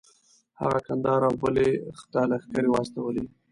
هغه کندهار او بلخ ته لښکرې واستولې.